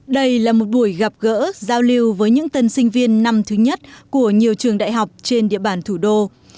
đây là một buổi gặp gỡ giao lưu với những tân sinh viên năm thứ nhất của nhiều trường đại học trên địa bàn thủ đô